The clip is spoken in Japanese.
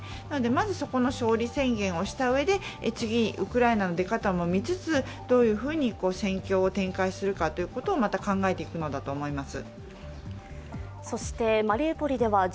まずそこの勝利宣言をしたうえで次、ウクライナの出方も見つつ、どういうふうに戦況を展開するかをまた考えていくのだと思います。